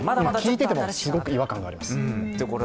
聞いていてもすごく違和感あります。